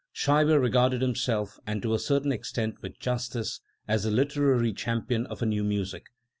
Scheibe regarded himself and to a certain extent with justice as the literary cham pion of a new music.